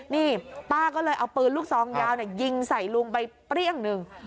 นี่ป้าก็เลยเอาปืนลูกซองยาวยิงใส่ลุงไปเปรี้ยงหนึ่ง